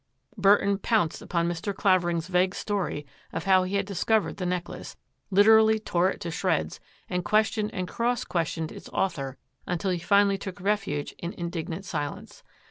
Burton poimced upon Mr. Clavering*s vague story of how he had discovered the necklace, liter ally tore it to shreds, and questioned and cross questioned its author until he fmally took refuge in indignant silence.